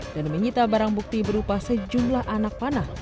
dan menyita barang bukti berupa sejumlah anak panah